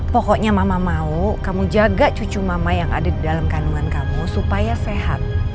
pokoknya mama mau kamu jaga cucu mama yang ada di dalam kandungan kamu supaya sehat